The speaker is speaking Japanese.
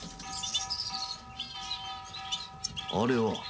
あれは。